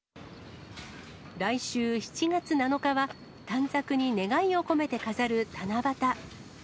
来週７月７日は、短冊に願いを込めて飾る七夕。